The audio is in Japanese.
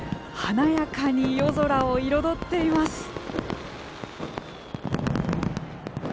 華やかに夜空を彩っています。